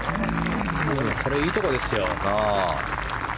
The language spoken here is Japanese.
これ、いいところですよ。